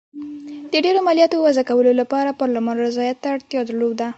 د ډېرو مالیاتو وضعه کولو لپاره پارلمان رضایت ته اړتیا درلوده.